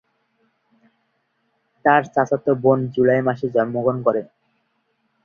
তার চাচাতো বোন জুলাই মাসে জন্মগ্রহণ করে।